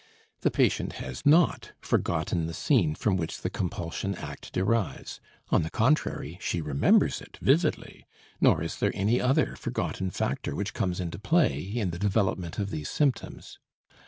The patient has not forgotten the scene from which the compulsion act derives on the contrary, she remembers it vividly, nor is there any other forgotten factor which comes into play in the development of these symptoms.